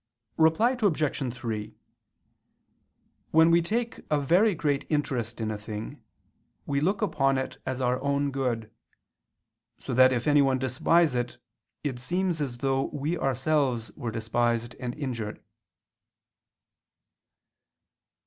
Reply Obj. 3: When we take a very great interest in a thing, we look upon it as our own good; so that if anyone despise it, it seems as though we ourselves were despised and injured.